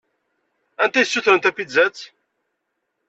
Anta i yessutren tapizzat?